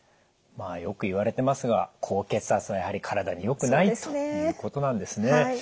まあよく言われてますが高血圧がやはり体によくないということなんですね。